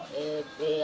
setelah bapaknya pergi